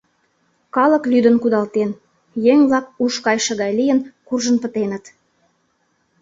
Калык лӱдын кудалтен, еҥ-влак, уш кайыше гай лийын, куржын пытеныт.